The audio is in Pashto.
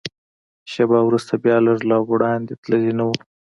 شېبه وروسته بیا، لږ لا وړاندې تللي نه و.